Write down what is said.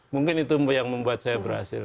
mungkin itu yang membuat saya berhasil